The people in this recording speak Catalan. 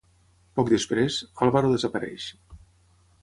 Poc després, Álvaro desapareix.